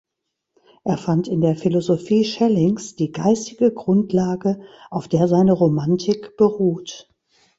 Er fand in der Philosophie Schellings die geistige Grundlage, auf der seine Romantik beruht.